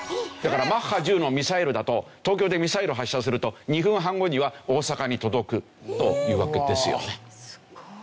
だからマッハ１０のミサイルだと東京でミサイルを発射すると２分半後には大阪に届くというわけですよね。